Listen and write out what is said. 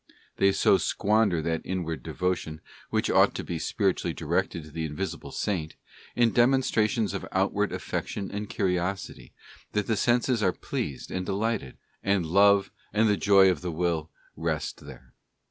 They so squander that inward devotion, which ought to be spiritually directed to the invisible Saint, in demonstrations of outward affection and curiosity, that the senses are pleased and delighted, and love and the joy of the will rest there.